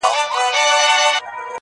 ستا د دواړو سترگو سمندر گلي.